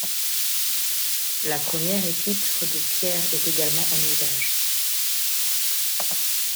La première épître de Pierre est également en usage.